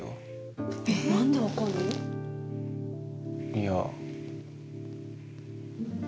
いや。